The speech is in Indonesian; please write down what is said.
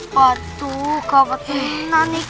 patuh kakak tenang